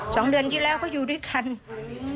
สองเดือนที่แล้วก็อยู่ด้วยกันอืม